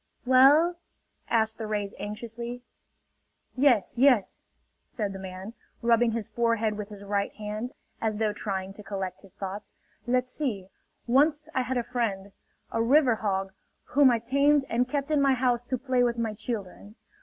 "Well...?" asked the rays anxiously. "Yes ... yes ..." said the man, rubbing his forehead with his right hand, as though trying to collect his thoughts. "Let's see.... Once I had a friend, a river hog, whom I tamed and kept in my house to play with my children.